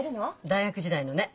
大学時代のね。